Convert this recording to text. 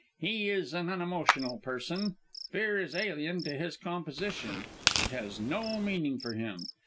He is an unemotional person. Fear is alien to his composition; it has no meaning for him.